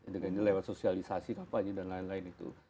dengan nyelewat sosialisasi dan lain lain itu